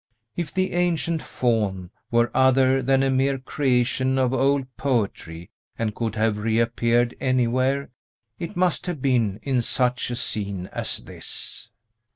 If the ancient Faun were other than a mere creation of old poetry, and could have reappeared anywhere, it must have been in such a scene as this.